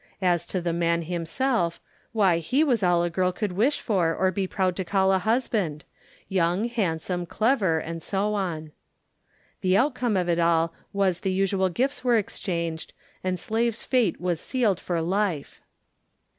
As to the man himself, why he was all a girl could wish for or be proud to call a husband,—young, handsome, clever, and so on. The outcome of it all was the usual gifts were exchanged and Slave's fate was sealed for life.